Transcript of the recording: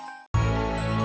sampai jumpa lagi